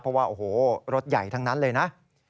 เพราะว่าโอ้โหรถใหญ่ทั้งนั้นเลยนะ